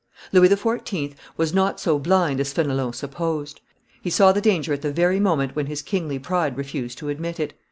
Louis XIV. was not so blind as Fenelon supposed; he saw the danger at the very moment when his kingly pride refused to admit it.